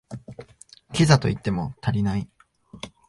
キザと言っても足りない